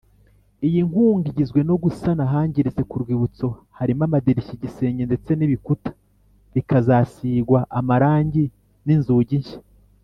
Iyi nkunga igizwe no gusana ahangiritse ku rwibutso harimo amadirishya igisenge ndetse n’ibikuta bikazasigwa amarangi n’inzugi nshya.